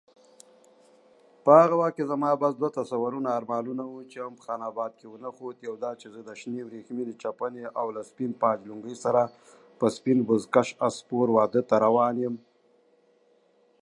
The new design incorporated an integral roof spoiler and sculpted fender bulges.